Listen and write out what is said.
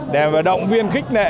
để động viên khích nệ nhân dân